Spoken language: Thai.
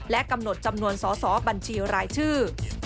และกำหนดจำนวนสอสอบัญชีรายชื่อ